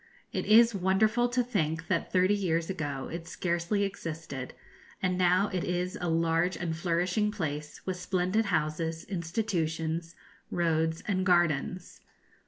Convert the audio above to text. It is wonderful to think that thirty years ago it scarcely existed, and now it is a large and flourishing place, with splendid houses, institutions, roads, and gardens.